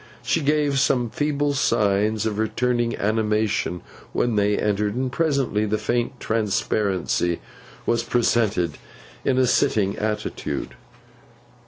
She gave some feeble signs of returning animation when they entered, and presently the faint transparency was presented in a sitting attitude.